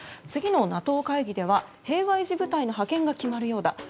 次のＮＡＴＯ会議では平和維持部隊の派遣が決まるようだ。